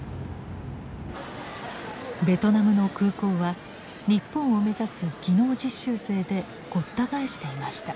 ベトナムの空港は日本を目指す技能実習生でごった返していました。